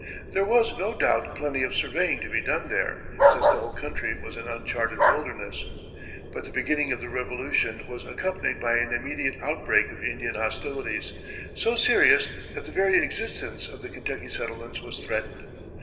There was, no doubt, plenty of surveying to be done there, since the whole country was an uncharted wilderness, but the beginning of the Revolution was accompanied by an immediate outbreak of Indian hostilities, so serious that the very existence of the Kentucky settlements was threatened.